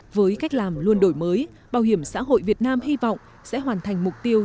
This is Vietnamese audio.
với cách làm luôn đổi mới bảo hiểm xã hội việt nam hy vọng sẽ hoàn thành mục tiêu